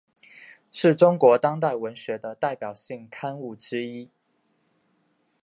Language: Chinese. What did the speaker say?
是中国当代文学的代表性刊物之一。